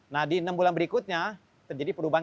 nah di enam bulan berikutnya terjadi perubahan